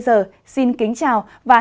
trong các chương trình lần sau